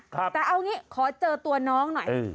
แต่เอางี้ขอเจอตัวน้องหน่อย